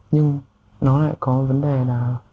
nhưng nó lại có vấn đề là